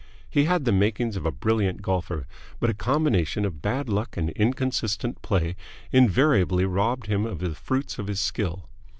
He had the makings of a brilliant golfer, but a combination of bad luck and inconsistent play invariably robbed him of the fruits of his skill.